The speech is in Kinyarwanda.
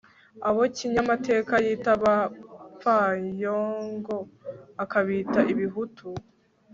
abo kinyamateka yita abapfayongo, akabita ibihutu